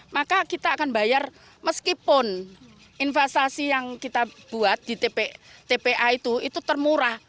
maka kita akan bayar meskipun investasi yang kita buat di tpa itu itu termurah